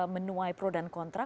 menuai pro dan kontrak